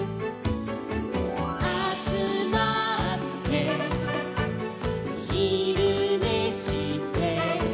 「あつまってひるねして」